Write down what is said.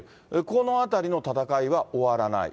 この辺りの戦いは終わらない。